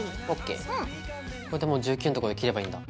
これでもう１９のとこで切ればいいんだ。